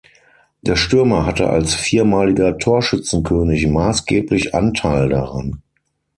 Der Stürmer hatte als viermaliger Torschützenkönig maßgeblich Anteil daran.